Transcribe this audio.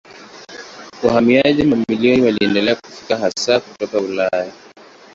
Wahamiaji mamilioni waliendelea kufika hasa kutoka Ulaya.